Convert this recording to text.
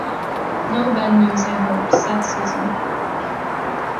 "No bad news, I hope," said Susan.